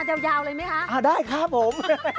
มายาวเลยไหมคะได้ครับผม